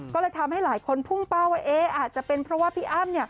ก็เลยทำให้หลายคนพุ่งเป้าว่าอาจจะเป็นเพราะว่าพี่อ้ำ